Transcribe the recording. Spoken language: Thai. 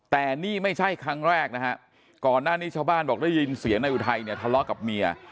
แต่นี่ไม่ใช่ครั้งแรกนะฮะก่อนหน้านี้ชาวบ้านบอกได้ยินเสียงนายอุทัยเนี่ยทะเลาะกับเมีย